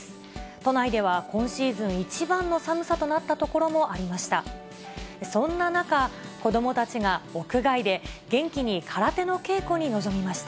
都内では今シーズン一番の寒さとなった所もありました。